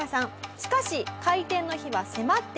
しかし開店の日は迫ってきます。